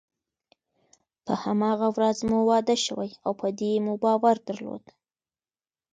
په هماغه ورځ مو واده شوی او په دې مو باور درلود.